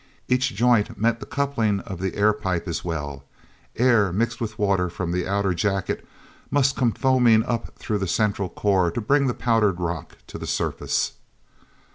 Each joint meant the coupling of the air pipe as well. Air, mixed with water from the outer jacket, must come foaming up through the central core to bring the powdered rock to the surface.